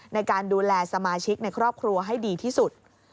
ในการดูแลสมาชิกในครอบครัวให้ดีที่สุด